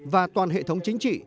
và toàn hệ thống chính trị